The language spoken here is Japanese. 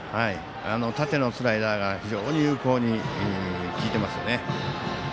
縦のスライダーが非常に有効に効いていますよね。